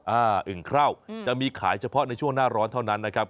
อึ่งเคร่าวจะมีขายเฉพาะในช่วงหน้าร้อนเท่านั้นนะครับ